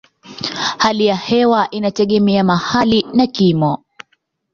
Hali ya hewa inategemea mahali na kimo.